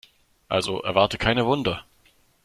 Also erwarte keine Wunder.